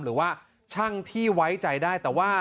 หรือว่าช่างที่ไว้ใจได้แต่ว่า